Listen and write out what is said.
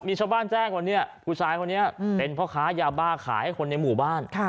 มีชาวบ้านแจ้งว่าเนี่ยผู้ชายคนนี้เป็นพ่อค้ายาบ้าขายให้คนในหมู่บ้าน